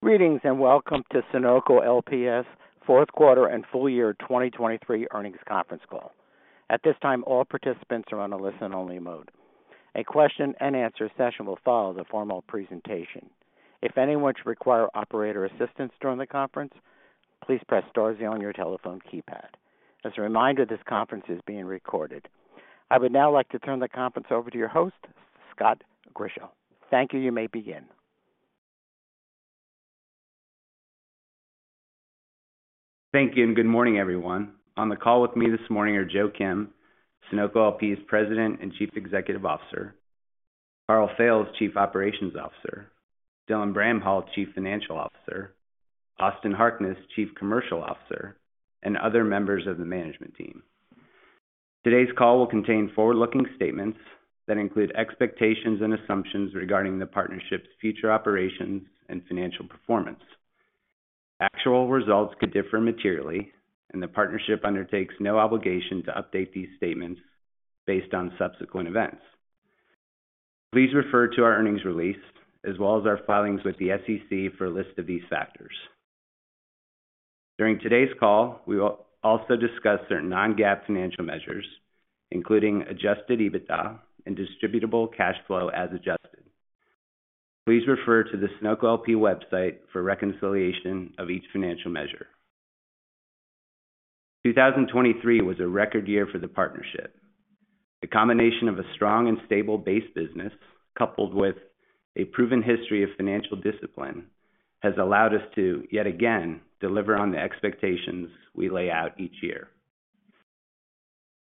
Greetings and welcome to Sunoco LP's fourth quarter and full year 2023 earnings conference call. At this time, all participants are on a listen-only mode. A question-and-answer session will follow the formal presentation. If anyone should require operator assistance during the conference, please press star on your telephone keypad. As a reminder, this conference is being recorded. I would now like to turn the conference over to your host, Scott Grischow. Thank you. You may begin. Thank you and good morning, everyone. On the call with me this morning are Joe Kim, Sunoco LP's President and Chief Executive Officer; Karl Fails, Chief Operating Officer; Dylan Bramhall, Chief Financial Officer; Austin Harkness, Chief Commercial Officer; and other members of the management team. Today's call will contain forward-looking statements that include expectations and assumptions regarding the partnership's future operations and financial performance. Actual results could differ materially, and the partnership undertakes no obligation to update these statements based on subsequent events. Please refer to our earnings release as well as our filings with the SEC for a list of these factors. During today's call, we will also discuss certain Non-GAAP financial measures, including Adjusted EBITDA and Distributable Cash Flow as adjusted. Please refer to the Sunoco LP website for reconciliation of each financial measure. 2023 was a record year for the partnership. The combination of a strong and stable base business coupled with a proven history of financial discipline has allowed us to, yet again, deliver on the expectations we lay out each year.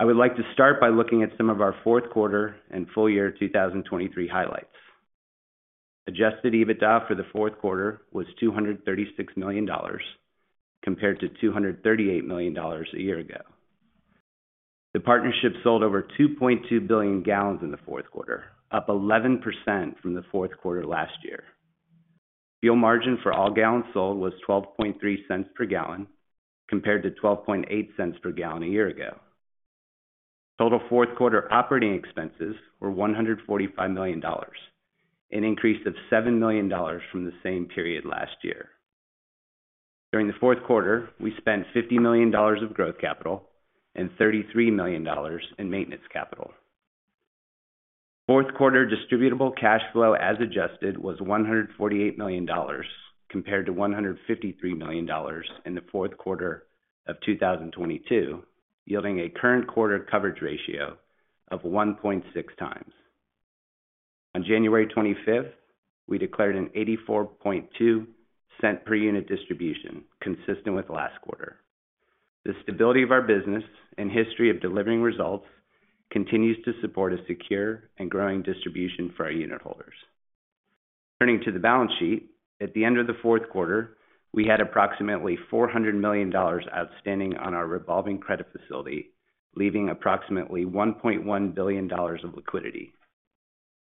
I would like to start by looking at some of our fourth quarter and full year 2023 highlights. Adjusted EBITDA for the fourth quarter was $236 million compared to $238 million a year ago. The partnership sold over 2.2 billion gallons in the fourth quarter, up 11% from the fourth quarter last year. Fuel margin for all gallons sold was $0.12 per gallon compared to $0.12 per gallon a year ago. Total fourth quarter operating expenses were $145 million, an increase of $7 million from the same period last year. During the fourth quarter, we spent $50 million of growth capital and $33 million in maintenance capital. Fourth quarter Distributable Cash Flow as adjusted was $148 million compared to $153 million in the fourth quarter of 2022, yielding a current quarter coverage ratio of 1.6 times. On January 25th, we declared a $0.842 per unit distribution, consistent with last quarter. The stability of our business and history of delivering results continues to support a secure and growing distribution for our unitholders. Turning to the balance sheet, at the end of the fourth quarter, we had approximately $400 million outstanding on our revolving credit facility, leaving approximately $1.1 billion of liquidity.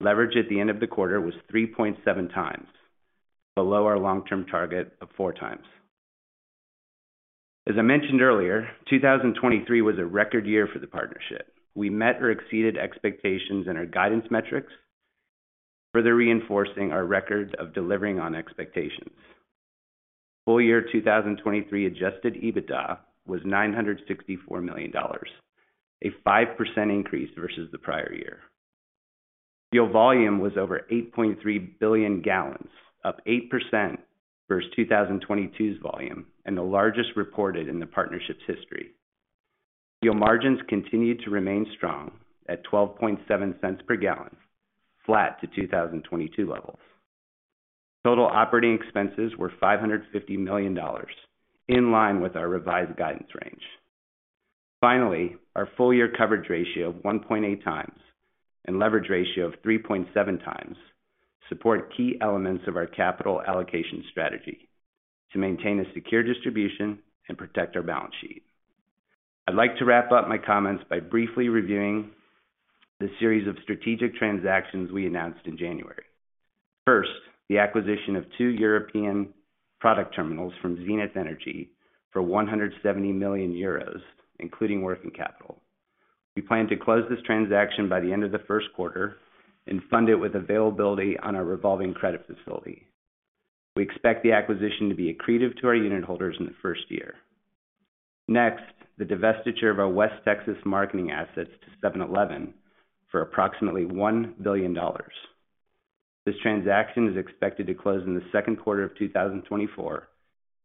Leverage at the end of the quarter was 3.7 times, below our long-term target of four times. As I mentioned earlier, 2023 was a record year for the partnership. We met or exceeded expectations in our guidance metrics, further reinforcing our record of delivering on expectations. Full year 2023 Adjusted EBITDA was $964 million, a 5% increase versus the prior year. Fuel volume was over 8.3 billion gallons, up 8% versus 2022's volume and the largest reported in the partnership's history. Fuel margins continued to remain strong at $0.127 per gallon, flat to 2022 levels. Total operating expenses were $550 million, in line with our revised guidance range. Finally, our full year coverage ratio of 1.8x and leverage ratio of 3.7x support key elements of our capital allocation strategy to maintain a secure distribution and protect our balance sheet. I'd like to wrap up my comments by briefly reviewing the series of strategic transactions we announced in January. First, the acquisition of two European product terminals from Zenith Energy for 170 million euros, including working capital. We plan to close this transaction by the end of the first quarter and fund it with availability on our revolving credit facility. We expect the acquisition to be accretive to our unitholders in the first year. Next, the divestiture of our West Texas marketing assets to 7-Eleven for approximately $1 billion. This transaction is expected to close in the second quarter of 2024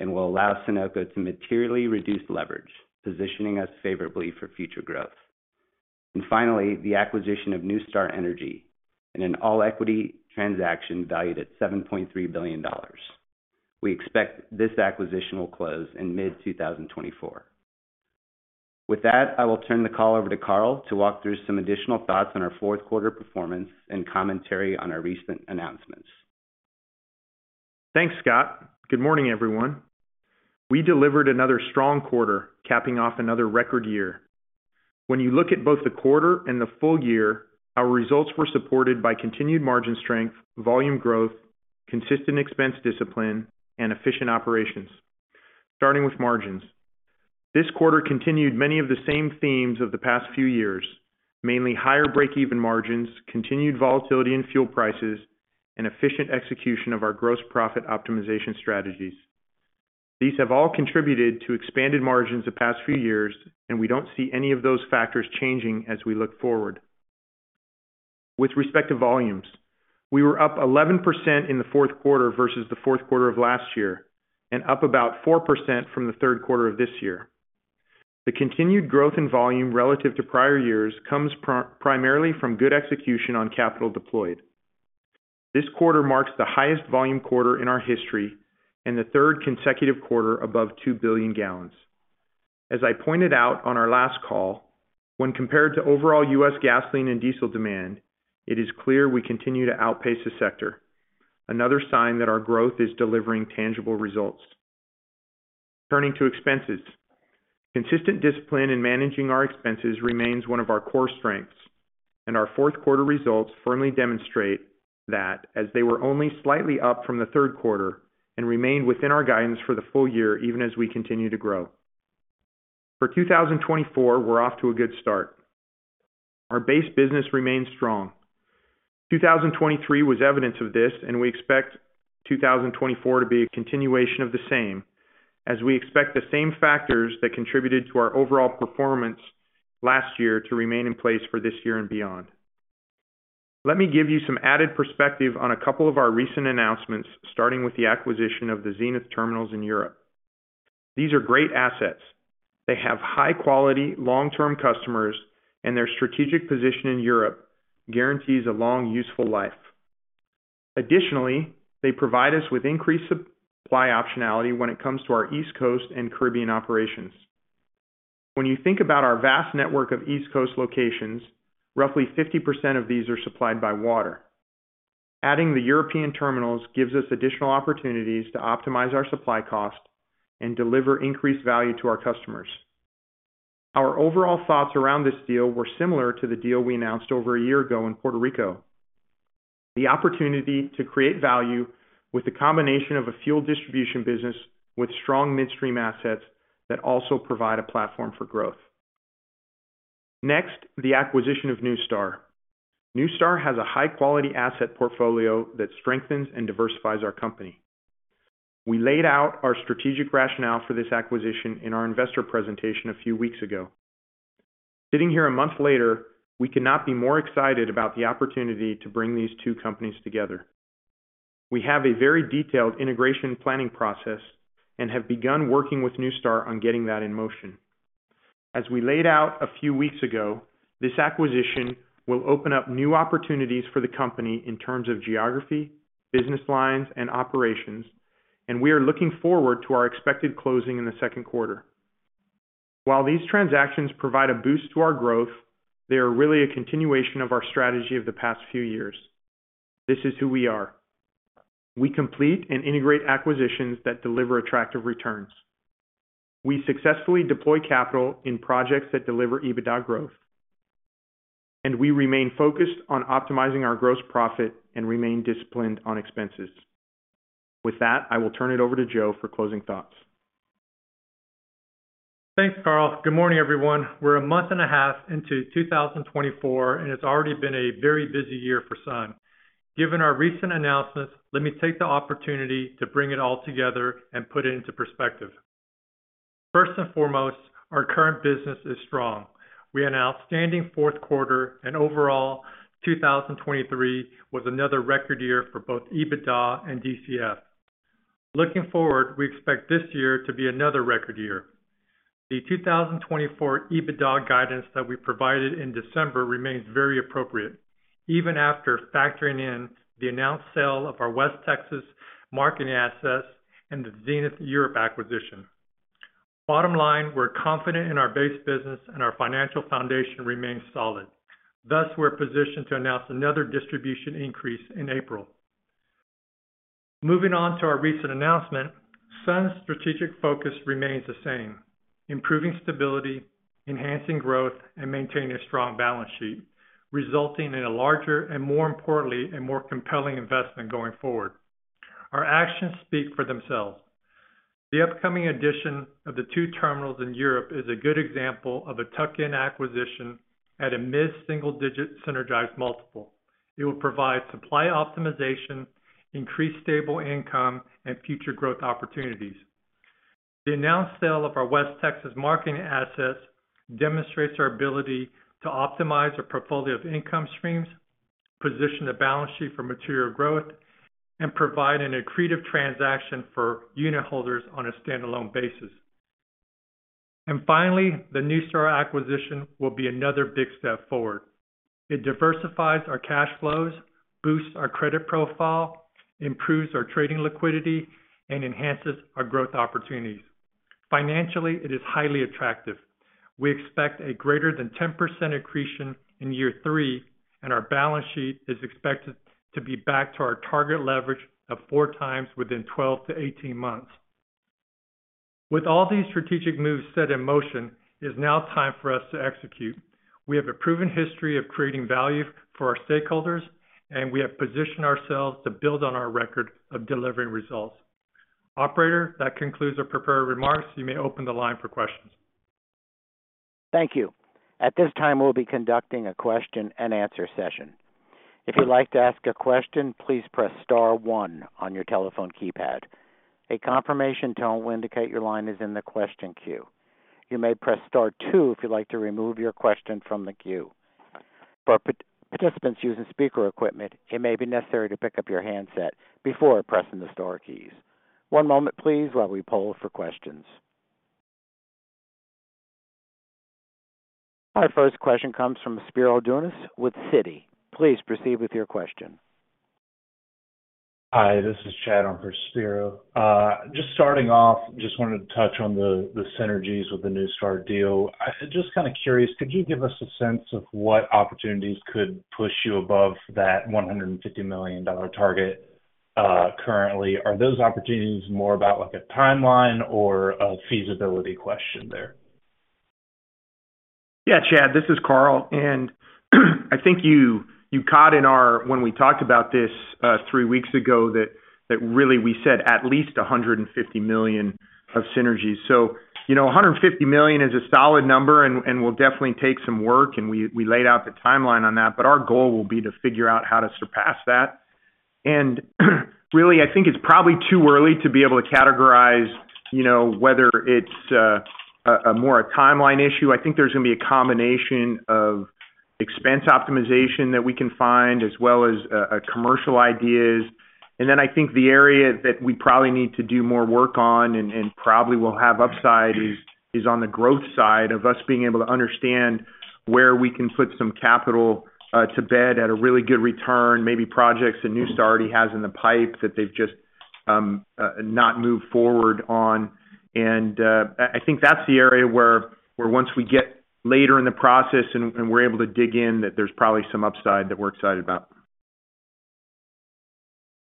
and will allow Sunoco to materially reduce leverage, positioning us favorably for future growth. And finally, the acquisition of NuStar Energy in an all-equity transaction valued at $7.3 billion. We expect this acquisition will close in mid-2024. With that, I will turn the call over to Karl to walk through some additional thoughts on our fourth quarter performance and commentary on our recent announcements. Thanks, Scott. Good morning, everyone. We delivered another strong quarter, capping off another record year. When you look at both the quarter and the full year, our results were supported by continued margin strength, volume growth, consistent expense discipline, and efficient operations. Starting with margins, this quarter continued many of the same themes of the past few years, mainly higher break-even margins, continued volatility in fuel prices, and efficient execution of our gross profit optimization strategies. These have all contributed to expanded margins the past few years, and we don't see any of those factors changing as we look forward. With respect to volumes, we were up 11% in the fourth quarter versus the fourth quarter of last year and up about 4% from the third quarter of this year. The continued growth in volume relative to prior years comes primarily from good execution on capital deployed. This quarter marks the highest volume quarter in our history and the third consecutive quarter above 2 billion gallons. As I pointed out on our last call, when compared to overall U.S. gasoline and diesel demand, it is clear we continue to outpace the sector, another sign that our growth is delivering tangible results. Turning to expenses, consistent discipline in managing our expenses remains one of our core strengths, and our fourth quarter results firmly demonstrate that, as they were only slightly up from the third quarter and remained within our guidance for the full year, even as we continue to grow. For 2024, we're off to a good start. Our base business remains strong. 2023 was evidence of this, and we expect 2024 to be a continuation of the same, as we expect the same factors that contributed to our overall performance last year to remain in place for this year and beyond. Let me give you some added perspective on a couple of our recent announcements, starting with the acquisition of the Zenith terminals in Europe. These are great assets. They have high-quality, long-term customers, and their strategic position in Europe guarantees a long, useful life. Additionally, they provide us with increased supply optionality when it comes to our East Coast and Caribbean operations. When you think about our vast network of East Coast locations, roughly 50% of these are supplied by water. Adding the European terminals gives us additional opportunities to optimize our supply cost and deliver increased value to our customers. Our overall thoughts around this deal were similar to the deal we announced over a year ago in Puerto Rico: the opportunity to create value with a combination of a fuel distribution business with strong midstream assets that also provide a platform for growth. Next, the acquisition of NuStar. NuStar has a high-quality asset portfolio that strengthens and diversifies our company. We laid out our strategic rationale for this acquisition in our investor presentation a few weeks ago. Sitting here a month later, we cannot be more excited about the opportunity to bring these two companies together. We have a very detailed integration planning process and have begun working with NuStar on getting that in motion. As we laid out a few weeks ago, this acquisition will open up new opportunities for the company in terms of geography, business lines, and operations, and we are looking forward to our expected closing in the second quarter. While these transactions provide a boost to our growth, they are really a continuation of our strategy of the past few years. This is who we are. We complete and integrate acquisitions that deliver attractive returns. We successfully deploy capital in projects that deliver EBITDA growth, and we remain focused on optimizing our gross profit and remain disciplined on expenses. With that, I will turn it over to Joe for closing thoughts. Thanks, Karl. Good morning, everyone. We're a month and a half into 2024, and it's already been a very busy year for Sunoco. Given our recent announcements, let me take the opportunity to bring it all together and put it into perspective. First and foremost, our current business is strong. We announced strong fourth quarter, and overall, 2023 was another record year for both EBITDA and DCF. Looking forward, we expect this year to be another record year. The 2024 EBITDA guidance that we provided in December remains very appropriate, even after factoring in the announced sale of our West Texas marketing assets and the Zenith Europe acquisition. Bottom line, we're confident in our base business and our financial foundation remains solid. Thus, we're positioned to announce another distribution increase in April. Moving on to our recent announcement, Sunoco's strategic focus remains the same: improving stability, enhancing growth, and maintaining a strong balance sheet, resulting in a larger and, more importantly, a more compelling investment going forward. Our actions speak for themselves. The upcoming addition of the two terminals in Europe is a good example of a tuck-in acquisition at a mid-single-digit synergized multiple. It will provide supply optimization, increased stable income, and future growth opportunities. The announced sale of our West Texas marketing assets demonstrates our ability to optimize our portfolio of income streams, position the balance sheet for material growth, and provide an accretive transaction for unitholders on a standalone basis. And finally, the NuStar acquisition will be another big step forward. It diversifies our cash flows, boosts our credit profile, improves our trading liquidity, and enhances our growth opportunities. Financially, it is highly attractive. We expect a greater than 10% accretion in year three, and our balance sheet is expected to be back to our target leverage of 4x within 12-18-months. With all these strategic moves set in motion, it is now time for us to execute. We have a proven history of creating value for our stakeholders, and we have positioned ourselves to build on our record of delivering results. Operator, that concludes our prepared remarks. You may open the line for questions. Thank you. At this time, we'll be conducting a question-and-answer session. If you'd like to ask a question, please press star one on your telephone keypad. A confirmation tone will indicate your line is in the question queue. You may press star two if you'd like to remove your question from the queue. For participants using speaker equipment, it may be necessary to pick up your handset before pressing the star keys. One moment, please, while we poll for questions. Our first question comes from Spiro Dounis with Citi. Please proceed with your question. Hi. This is Chad on for Spiro. Just starting off, just wanted to touch on the synergies with the NuStar deal. I'm just kind of curious, could you give us a sense of what opportunities could push you above that $150 million target currently? Are those opportunities more about a timeline or a feasibility question there? Yeah, Chad. This is Karl. And I think you caught in our when we talked about this three weeks ago that really we said at least $150 million of synergies. So $150 million is a solid number, and we'll definitely take some work, and we laid out the timeline on that. But our goal will be to figure out how to surpass that. And really, I think it's probably too early to be able to categorize whether it's more a timeline issue. I think there's going to be a combination of expense optimization that we can find as well as commercial ideas. And then I think the area that we probably need to do more work on and probably will have upside is on the growth side of us being able to understand where we can put some capital to bed at a really good return, maybe projects that NuStar already has in the pipe that they've just not moved forward on. I think that's the area where once we get later in the process and we're able to dig in, that there's probably some upside that we're excited about.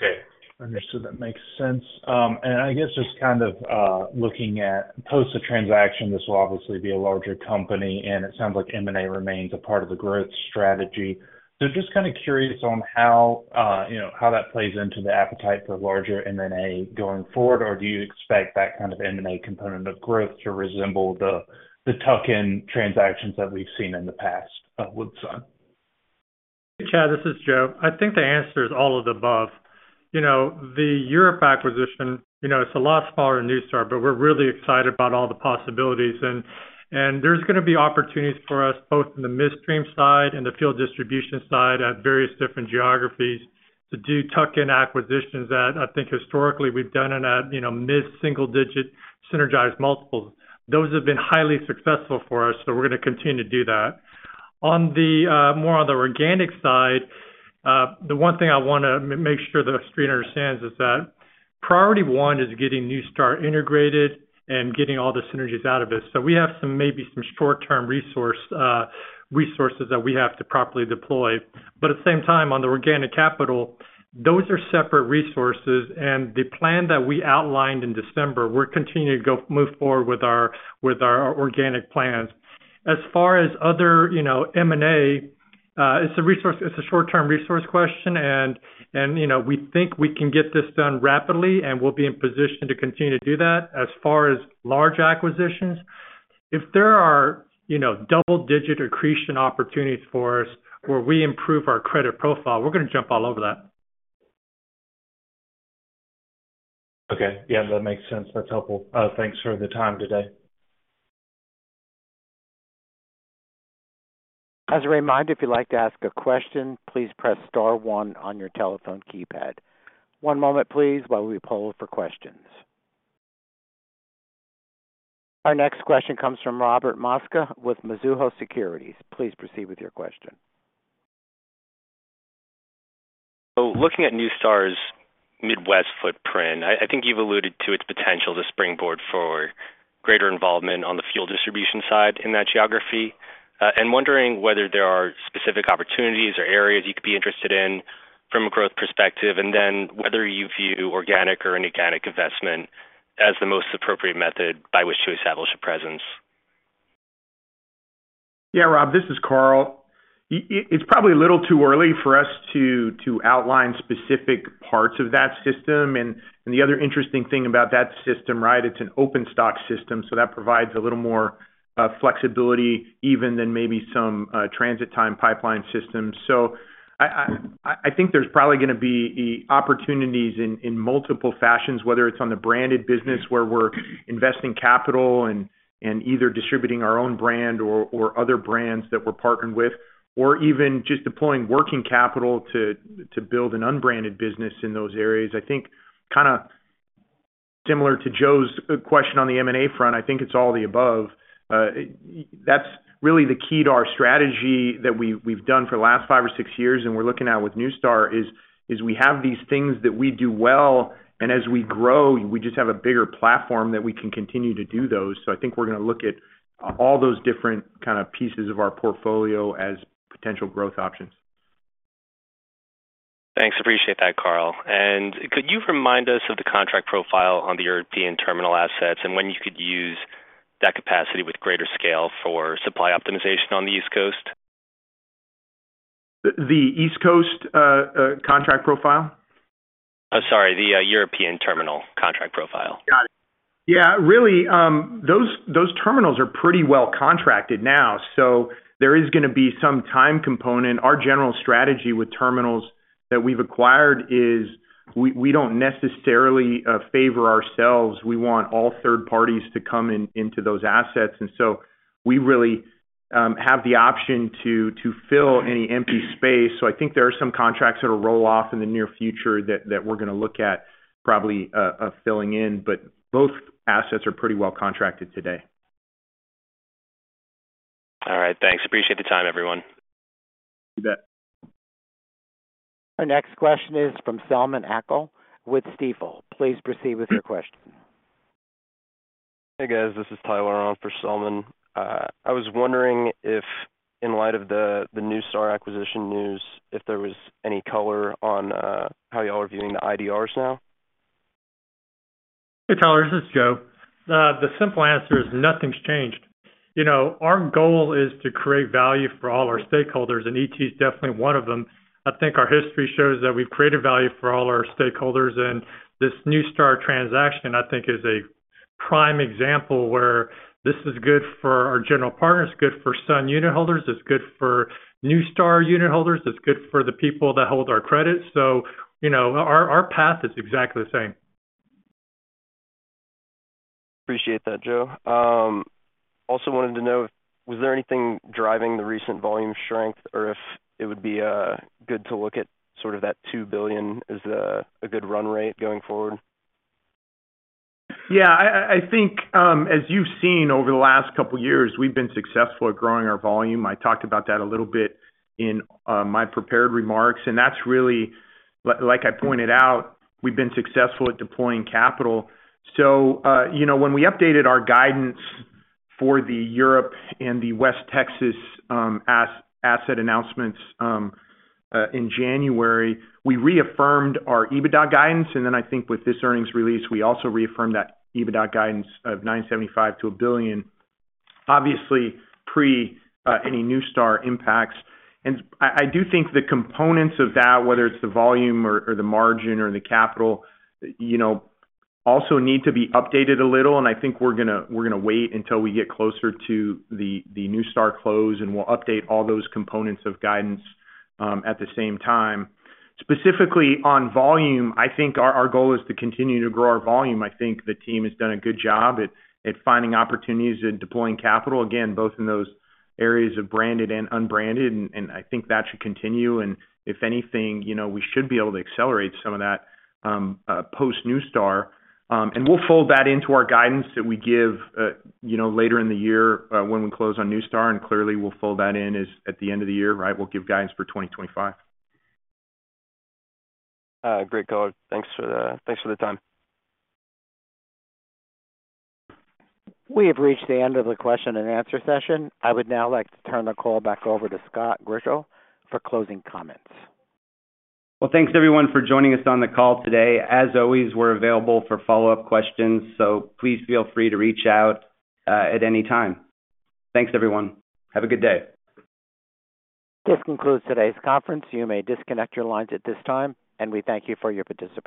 Okay. Understood. That makes sense. And I guess just kind of looking at post-the-transaction, this will obviously be a larger company, and it sounds like M&A remains a part of the growth strategy. So just kind of curious on how that plays into the appetite for larger M&A going forward, or do you expect that kind of M&A component of growth to resemble the tuck-in transactions that we've seen in the past with Sun? Hey, Chad. This is Joe. I think the answer is all of the above. The Europe acquisition, it's a lot smaller than NuStar, but we're really excited about all the possibilities. And there's going to be opportunities for us both in the midstream side and the fuel distribution side at various different geographies to do tuck-in acquisitions that I think historically we've done in at mid-single-digit synergized multiples. Those have been highly successful for us, so we're going to continue to do that. More on the organic side, the one thing I want to make sure the Street understands is that priority one is getting NuStar integrated and getting all the synergies out of it. So we have maybe some short-term resources that we have to properly deploy. But at the same time, on the organic capital, those are separate resources. The plan that we outlined in December, we're continuing to move forward with our organic plans. As far as other M&A, it's a short-term resource question, and we think we can get this done rapidly, and we'll be in position to continue to do that. As far as large acquisitions, if there are double-digit accretion opportunities for us where we improve our credit profile, we're going to jump all over that. Okay. Yeah, that makes sense. That's helpful. Thanks for the time today. As a reminder, if you'd like to ask a question, please press star one on your telephone keypad. One moment, please, while we poll for questions. Our next question comes from Robert Mosca with Mizuho Securities. Please proceed with your question. Looking at NuStar's Midwest footprint, I think you've alluded to its potential to springboard for greater involvement on the fuel distribution side in that geography, and wondering whether there are specific opportunities or areas you could be interested in from a growth perspective, and then whether you view organic or inorganic investment as the most appropriate method by which to establish a presence? Yeah, Rob. This is Karl. It's probably a little too early for us to outline specific parts of that system. And the other interesting thing about that system, right, it's an open-stock system, so that provides a little more flexibility even than maybe some transit-time pipeline systems. So I think there's probably going to be opportunities in multiple fashions, whether it's on the branded business where we're investing capital and either distributing our own brand or other brands that we're partnered with, or even just deploying working capital to build an unbranded business in those areas. I think kind of similar to Joe's question on the M&A front, I think it's all the above. That's really the key to our strategy that we've done for the last five or six years, and we're looking at with NuStar is we have these things that we do well, and as we grow, we just have a bigger platform that we can continue to do those. So I think we're going to look at all those different kind of pieces of our portfolio as potential growth options. Thanks. Appreciate that, Karl. Could you remind us of the contract profile on the European terminal assets and when you could use that capacity with greater scale for supply optimization on the East Coast? The East Coast contract profile? Oh, sorry. The European terminal contract profile. Got it. Yeah. Really, those terminals are pretty well contracted now, so there is going to be some time component. Our general strategy with terminals that we've acquired is we don't necessarily favor ourselves. We want all third parties to come into those assets. And so we really have the option to fill any empty space. So I think there are some contracts that will roll off in the near future that we're going to look at probably filling in. But both assets are pretty well contracted today. All right. Thanks. Appreciate the time, everyone. You bet. Our next question is from Selman Akyol with Stifel. Please proceed with your question. Hey, guys. This is Tyler on for Selman. I was wondering if, in light of the NuStar acquisition news, if there was any color on how y'all are viewing the IDRs now? Hey, Tyler. This is Joe. The simple answer is nothing's changed. Our goal is to create value for all our stakeholders, and ET is definitely one of them. I think our history shows that we've created value for all our stakeholders. And this NuStar transaction, I think, is a prime example where this is good for our general partners, good for Sun unit holders, it's good for NuStar unitholders, it's good for the people that hold our credit. So our path is exactly the same. Appreciate that, Joe. Also wanted to know, was there anything driving the recent volume strength or if it would be good to look at sort of that $2 billion as a good run rate going forward? Yeah. I think, as you've seen over the last couple of years, we've been successful at growing our volume. I talked about that a little bit in my prepared remarks. And that's really, like I pointed out, we've been successful at deploying capital. So when we updated our guidance for the Europe and the West Texas asset announcements in January, we reaffirmed our EBITDA guidance. And then I think with this earnings release, we also reaffirmed that EBITDA guidance of $975 million-$1 billion, obviously pre-any NuStar impacts. And I do think the components of that, whether it's the volume or the margin or the capital, also need to be updated a little. And I think we're going to wait until we get closer to the NuStar close, and we'll update all those components of guidance at the same time. Specifically on volume, I think our goal is to continue to grow our volume. I think the team has done a good job at finding opportunities and deploying capital, again, both in those areas of branded and unbranded. And I think that should continue. And if anything, we should be able to accelerate some of that post-NuStar. And we'll fold that into our guidance that we give later in the year when we close on NuStar. And clearly, we'll fold that in at the end of the year, right? We'll give guidance for 2025. Great, Karl. Thanks for the time. We have reached the end of the question-and-answer session. I would now like to turn the call back over to Scott Grischow for closing comments. Well, thanks, everyone, for joining us on the call today. As always, we're available for follow-up questions, so please feel free to reach out at any time. Thanks, everyone. Have a good day. This concludes today's conference. You may disconnect your lines at this time, and we thank you for your participation.